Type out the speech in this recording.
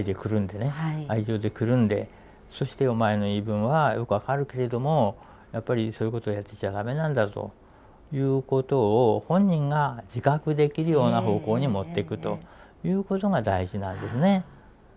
愛情でくるんでそしてお前の言い分はよく分かるけれどもやっぱりそういうことをやってちゃ駄目なんだということを本人が自覚できるような方向に持ってくということが大事なんですね。